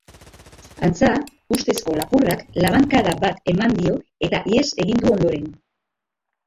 Antza, ustezko lapurrak labankada bat eman dio eta ihes egin du ondoren.